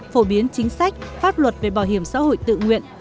phổ biến chính sách pháp luật về bảo hiểm xã hội tự nguyện